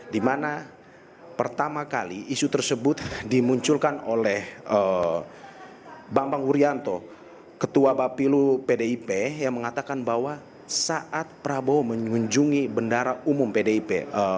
dimana pertama kali isu tersebut dimunculkan oleh bambang wuryanto ketua bapilu pdip yang mengatakan bahwa saat prabowo mengunjungi bendara umum pdip